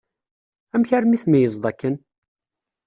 Amek armi tmeyyzeḍ akken?